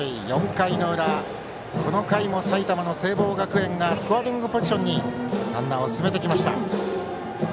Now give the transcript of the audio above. ４回の裏この回も埼玉の聖望学園がスコアリングポジションにランナーを進めてきました。